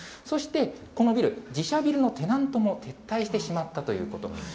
そしてこのビル、自社ビルのテナントも撤退してしまったということ。